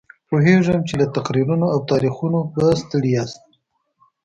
پوهېږم چې له تقریرونو او تاریخونو به ستړي یاست.